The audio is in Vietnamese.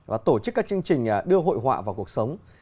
và tổ chức các chương trình đưa hội họa vào cuộc sống